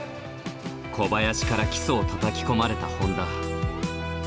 小林から基礎をたたき込まれた本多。